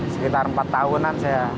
sekitar empat tahunan saya